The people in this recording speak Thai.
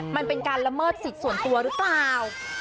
มันเป็นการละเมิดสิทธิ์ส่วนตัวหรือเปล่า